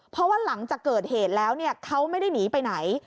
เพราะว่าหลังจากเกิดเหตุแล้วเขาไม่ได้หนีไปไหน